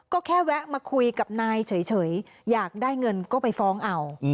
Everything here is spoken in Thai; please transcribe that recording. ก็แค่แวะมาคุยกับนายเฉยอยากได้เงินก็ไปฟ้องเอา